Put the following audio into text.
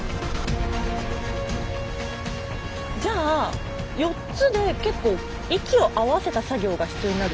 じゃあ４つで結構息を合わせた作業が必要になる？